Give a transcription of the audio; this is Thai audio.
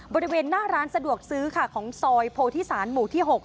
บริเวณหน้าร้านสะดวกซื้อค่ะของซอยโพธิศาลหมู่ที่๖